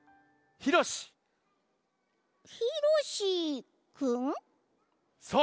ひろしくん？そう。